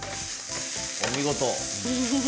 お見事。